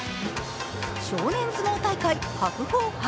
少年相撲大会、白鵬杯。